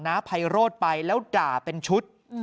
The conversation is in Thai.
้าไพโรธไปแล้วด่าเป็นชุด